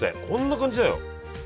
こんな感じだよ。